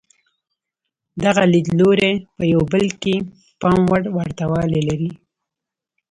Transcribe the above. دغه لیدلوري په یو بل کې پام وړ ورته والی لري.